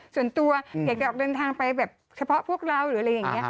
ส่วนตัวอยากจะออกเดินทางไปแบบเฉพาะพวกเราหรืออะไรอย่างนี้ค่ะ